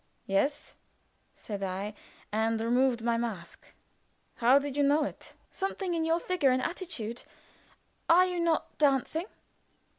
"Yes," said I, and removed my mask. "How did you know it?" "Something in your figure and attitude. Are you not dancing?"